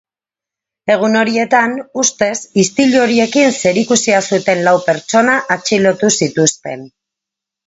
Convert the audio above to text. Egun horietan ustez istilu horiekin zerikusia zuten lau pertsona atxilotu zituzten.